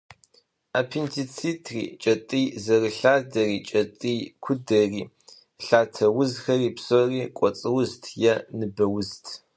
Аппендицитри, кӏэтӏий зэрылъадэри, кӏэтӏий кудэри, лъатэ узхэри псори «кӏуэцӏ узт» е «ныбэ узт».